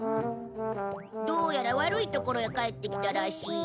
どうやら悪いところへ帰ってきたらしい。